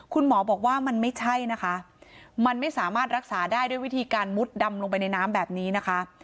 คุณหมอบอกว่ามันไม่ใช่นะคะมันไม่สามารถรักษาได้ด้วยวิธีการมุดดำลงไปในน้ำแบบนี้นะคะ